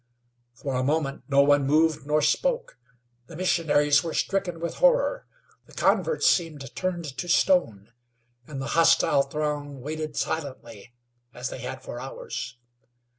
For a moment no one moved, nor spoke. The missionaries were stricken with horror; the converts seemed turned to stone, and the hostile throng waited silently, as they had for hours.